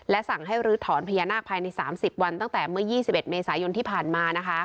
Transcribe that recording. และสั่งให้รืดถอนพญานาคภายในสามสิบวันตั้งแต่เมื่อยี่สิบเอ็ดเมษายนที่ผ่านมานะคะ